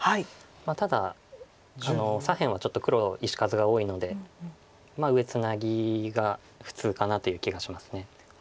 ただ左辺はちょっと黒石数が多いので上ツナギが普通かなという気がします。